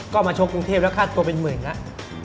ก็มาโชคกรุงเทพค่าตัวเป็นหมื่นตัว